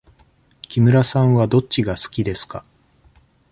木村さんはどっちが好きですか。